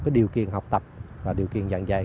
cái điều kiện học tập và điều kiện giảng dạy